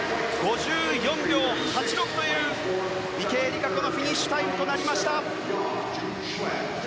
５４秒８６という池江璃花子のフィニッシュタイムになりました。